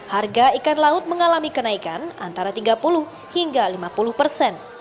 harga ikan laut mengalami kenaikan antara tiga puluh hingga lima puluh persen